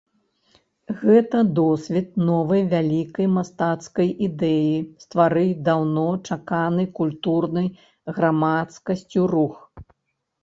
Гэта досвед новай вялікай мастацкай ідэі стварыць даўно чаканы культурнай грамадскасцю рух.